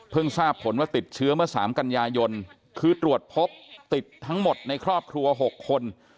ทราบผลว่าติดเชื้อเมื่อ๓กันยายนคือตรวจพบติดทั้งหมดในครอบครัว๖คน